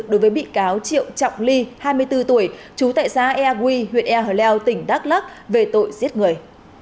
đối với bị cáo triệu trọng ly hai mươi bốn tuổi chú tại xã ea quy huyện ea hờ leo tỉnh đắk lắc về tội giết người